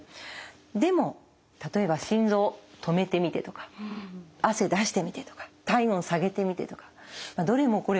でも例えば心臓止めてみてとか汗出してみてとか体温下げてみてとかどれもこれも。